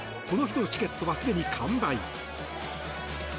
この日のチケットはすでに完売。